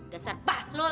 gasar pah lol